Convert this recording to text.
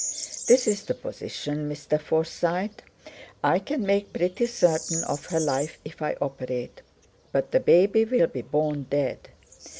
"This is the position, Mr. Forsyte. I can make pretty certain of her life if I operate, but the baby will be born dead.